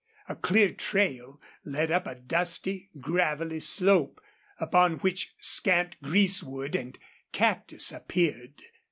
A clear trail led up a dusty, gravelly slope, upon which scant greasewood and cactus appeared.